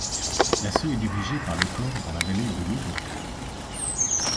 L'assaut est dirigé par le corps dans la vallée de l'Odon.